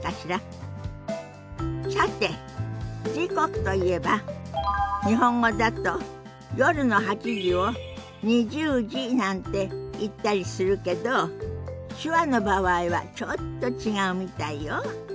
さて時刻といえば日本語だと夜の８時を２０時なんて言ったりするけど手話の場合はちょっと違うみたいよ。